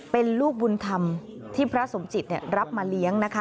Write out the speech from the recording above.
เป็นลูกบุญธรรมที่พระสมจิตรับมาเลี้ยงนะคะ